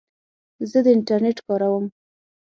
زه د انټرنیټ کاروم.